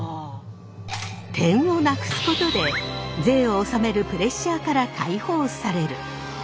点をなくすことで税を納めるプレッシャーから解放される。